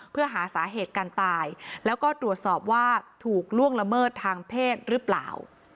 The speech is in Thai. เพื่อหาสาเหตุการตายแล้วก็ตรวจสอบว่าถูกล่วงละเมิดทางเพศหรือเปล่า